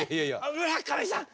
村上さん